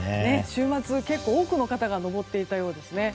週末、結構多くの方が登っていたようですよ。